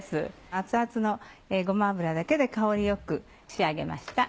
熱々のごま油だけで香りよく仕上げました。